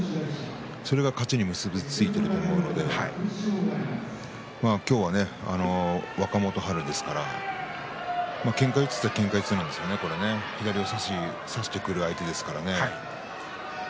それが勝ちに結び付いていると思うので今日は若元春ですからけんか四つなんですが左を差してくる相手ですからね。